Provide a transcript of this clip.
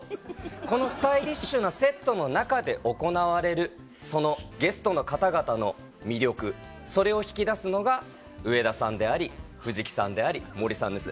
このスタイリッシュなセットの中で行われるそのゲストの方々の魅力それを引き出すのが上田さんであり藤木さんであり森さんです。